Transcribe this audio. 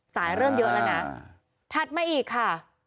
เริ่มเยอะแล้วนะถัดมาอีกค่ะ